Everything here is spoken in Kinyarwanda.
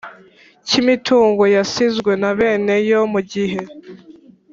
Cy imitungo yasizwe na bene yo mu gihe